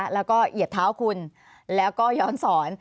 แล้วก็เหยียบเท้าคุณแล้วก็ย้อนสอน